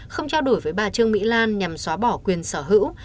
không trao đổi với bà trương mỹ lan nhằm xóa bỏ quyền sở hữu